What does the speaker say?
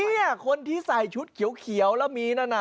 นี่คนที่ใส่ชุดเขียวแล้วมีน่า